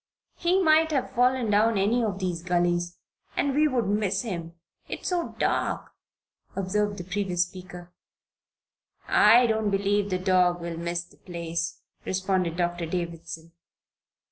"He might have fallen down any of these gullies, and we'd miss him, it's so dark," observed the previous speaker. "I don't believe the dog will miss the place," responded Doctor Davison.